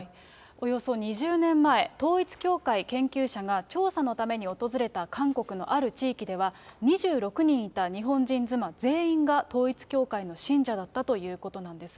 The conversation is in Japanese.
およそ２０年前、統一教会研究者が調査のために訪れた韓国のある地域では、２６人いた日本人妻全員が統一教会の信者だったということなんです。